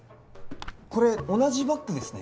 これ同じバッグですね